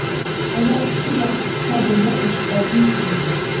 ئەگەر ئۇچۇر ياخشى چىقسا دوللار ئۆسۈپ ئالتۇن چۈشىدۇ.